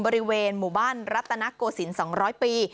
บริเวณหมู่บ้านรัตนโกศิลป์๒๐๐ปี